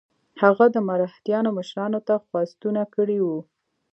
هغه د مرهټیانو مشرانو ته خواستونه کړي وه.